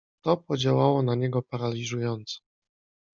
To podziałało na niego paraliżująco.